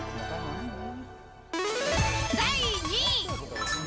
第２位。